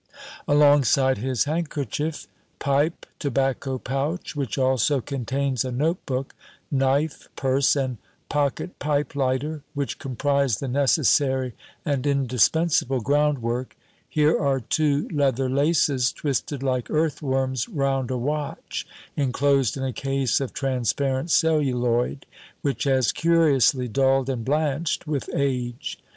Alongside his handkerchief, pipe, tobacco pouch (which also contains a note book), knife, purse, and pocket pipe lighter, which comprise the necessary and indispensable groundwork, here are two leather laces twisted like earthworms round a watch enclosed in a case of transparent celluloid, which has curiously dulled and blanched with age.